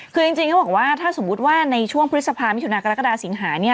คือจริงเขาบอกว่าถ้าสมมุติว่าในช่วงพฤษภามิถุนากรกฎาสิงหาเนี่ย